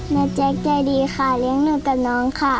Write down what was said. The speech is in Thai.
แจ๊กใจดีค่ะเลี้ยงหนูกับน้องค่ะ